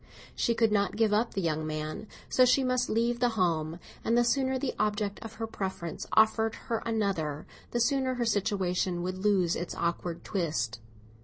She could not give up the young man, so she must leave the home; and the sooner the object of her preference offered her another the sooner her situation would lose its awkward twist.